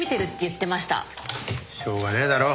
しょうがねえだろ。